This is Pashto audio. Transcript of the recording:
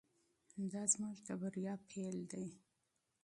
دا زموږ د بریا پیل دی.